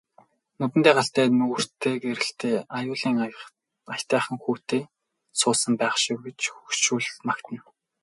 Нүдэндээ галтай нүүртээ гэрэлтэй аюулын аятайхан хүүтэй суусан байх шив гэж хөгшчүүд магтана.